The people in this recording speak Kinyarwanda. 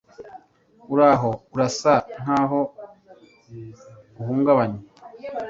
Uraho? Urasa nkaho uhungabanye.